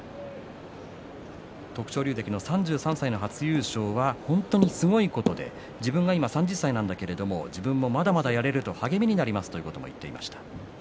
徳勝龍関の３３歳の初優勝は本当にすごいことで自分は３０歳ですが自分もまだまだやれると励みになりますと言っていました。